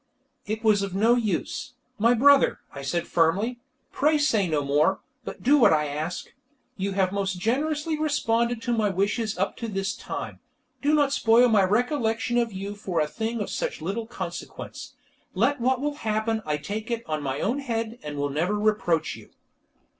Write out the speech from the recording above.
It was of no use. "My brother," I said firmly, "pray say no more, but do what I ask. You have most generously responded to my wishes up to this time, do not spoil my recollection of you for a thing of such little consequence. Let what will happen I take it on my own head, and will never reproach you."